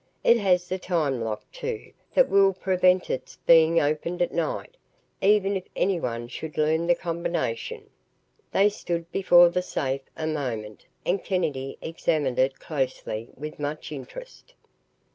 It has a time lock, too, that will prevent its being opened at night, even if anyone should learn the combination." They stood before the safe a moment and Kennedy examined it closely with much interest.